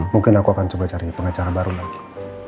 mungkin aku akan coba cari pengacara baru lagi